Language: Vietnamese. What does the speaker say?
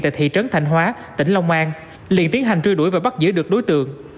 tại thị trấn thành hóa tỉnh long an liền tiến hành truy đuổi và bắt giữ được đối tượng